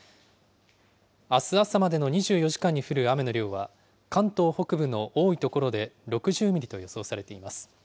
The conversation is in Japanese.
あす朝までの２４時間に降る雨の量は関東北部の多い所で６０ミリと予想されています。